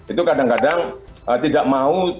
itu kadang kadang tidak mau